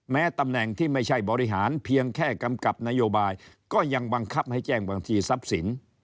ตำแหน่งที่ไม่ใช่บริหารเพียงแค่กำกับนโยบายก็ยังบังคับให้แจ้งบางทีทรัพย์สิน